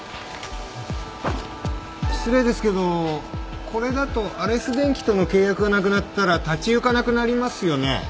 失礼ですけどこれだとアレス電機との契約がなくなったら立ち行かなくなりますよね？